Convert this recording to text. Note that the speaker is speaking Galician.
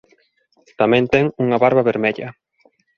Tamén ten unha barba vermella.